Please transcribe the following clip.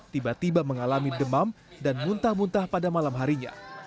tiba tiba mengalami demam dan muntah muntah pada malam harinya